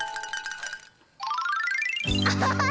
アハハ